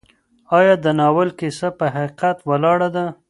ایا د ناول کیسه په حقیقت ولاړه ده؟